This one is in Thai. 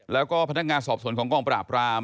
แล้วก็พนักงานสอบสวนของกองปราบราม